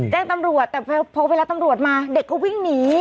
แจ้งตำรวจแต่พอเวลาตำรวจมาเด็กก็วิ่งหนี